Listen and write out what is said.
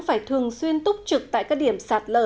phải thường xuyên túc trực tại các điểm sạt lở